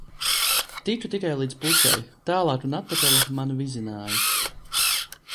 Tiku tikai līdz pusei, tālāk un atpakaļ mani vizināja.